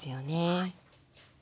はい。